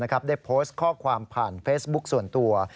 ได้โพสต์ข้อความผ่านเฟซบุ๊คส่วนตัว